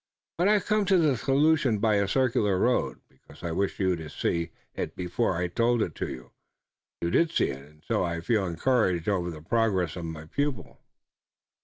But I came to the solution by a circular road, because I wished you to see it before I told it to you. You did see it, and so I feel encouraged over the progress of my pupil."